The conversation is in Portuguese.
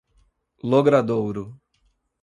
Logradouro